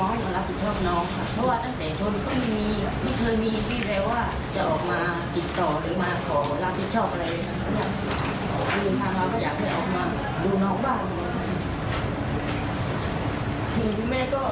สวัสดีครับ